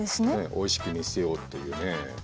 おいしく見せようっていうね。